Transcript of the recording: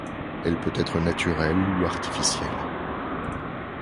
Elle peut être naturelle ou artificielle.